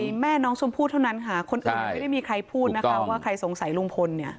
มีแม่น้องชมพู่เท่านั้นค่ะคนอื่นยังไม่ได้มีใครพูดนะคะว่าใครสงสัยลุงพลเนี่ย